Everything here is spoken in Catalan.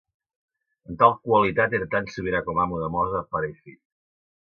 En tal qualitat era tant sobirà com amo de Mozart pare i fill.